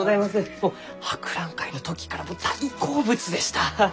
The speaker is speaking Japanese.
もう博覧会の時から大好物でした！